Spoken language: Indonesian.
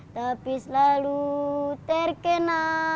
tapi selalu terkena